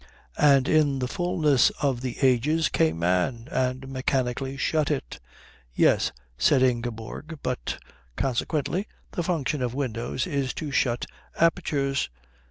"And in the fulness of the ages came man, and mechanically shut it." "Yes," said Ingeborg. "But " "Consequently, the function of windows is to shut apertures."